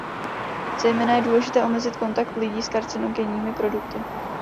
Zejména je důležité omezit kontakt lidí s karcinogenními produkty.